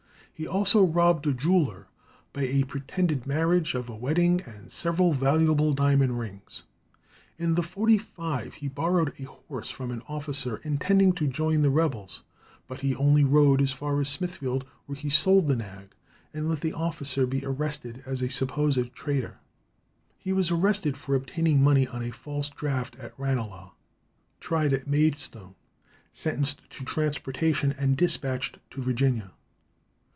He also robbed a jeweller, by a pretended marriage, of a wedding and several valuable diamond rings. In the '45 he borrowed a horse from an officer intending to join the rebels, but he only rode as far as Smithfield, where he sold the nag, and let the officer be arrested as a supposed traitor. He was arrested for obtaining money on a false draft at Ranelagh, tried at Maidstone, sentenced to transportation, and despatched to Virginia.